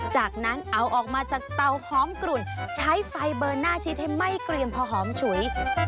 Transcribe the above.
จากนั้นเอาออกมาจากเตาหอมกลุ่นใช้ไฟเบอร์หน้าชิดให้ไม่เกรียมพอหอมฉุย